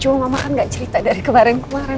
cuma mama kan gak cerita dari kemarin kemarin